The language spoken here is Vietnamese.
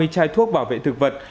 chai thuốc bảo vệ thực vật